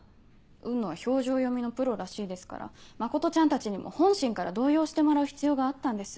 雲野は表情読みのプロらしいですから真ちゃんたちにも本心から動揺してもらう必要があったんです。